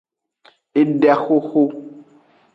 Edexoxo.